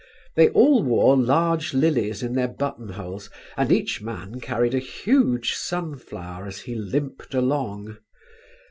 They all wore large lilies in their buttonholes and each man carried a huge sunflower as he limped along."